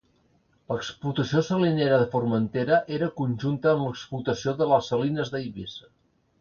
L'explotació salinera de Formentera era conjunta amb l'explotació de les salines d'Eivissa.